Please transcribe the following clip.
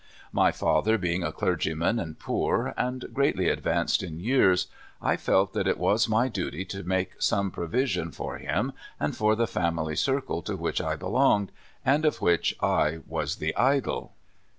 M}^ father being a clergy man, and poor, and greatly advanced in years, I felt that it was my duty to make some provision for him and for the family circle to which I belonged, and of which I was the idol.